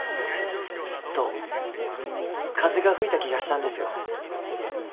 スッと風が吹いた気がしたんですよ。